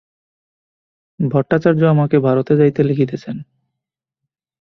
ভট্টাচার্য আমাকে ভারতে যাইতে লিখিতেছেন।